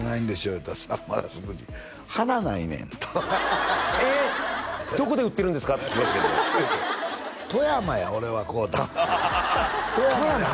言うたらさんまがすぐに「華ないねん」と「えっどこで売ってるんですか？」って聞きましたけど「富山や俺は買うたん」「富山？